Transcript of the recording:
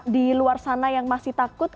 di luar sana yang masih takut